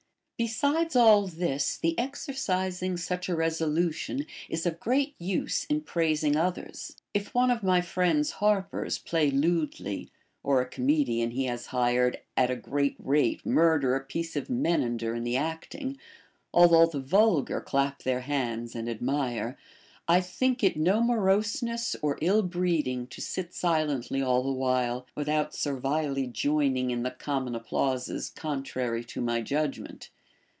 Besides all this, the exercising such a resolution is of great use in praising others. If one of my friend's harpers play lewdly, or a comedian he has hired at a great rate murder a piece of Menander in the acting, although the vulgar clap their hands and admire, I think it no moroseness or ill breeding to sit silently all the while, without servilely joining in the common applauses con trary to my judgment.